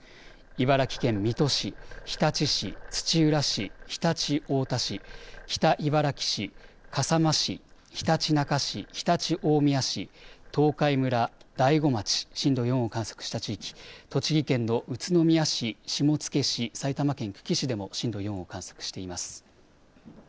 茨城県水戸市、日立市、土浦市、常陸太田市、北茨城市、笠間市、ひたちなか市、常陸大宮市、東海村、大子町、震度４を観測した地域、栃木県の宇都宮市、下野市、埼玉県久喜市でも震度４を観測しています。